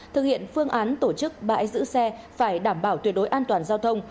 thực hiện phương án tổ chức bãi giữ xe phải đảm bảo tuyệt đối an toàn giao thông